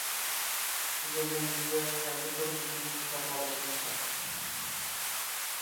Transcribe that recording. Siz o’zingizda qayta turish uchun kuch topa olishingiz shart!